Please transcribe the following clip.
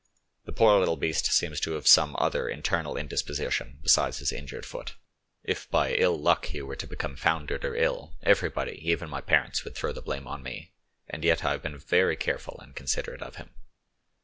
The poor little beast seems to have same other internal indisposition besides his injured foot. If by ill luck he were to become foundered or ill, everybody, even my parents, would throw the blame on me, and yet I have been very careful and considerate of him.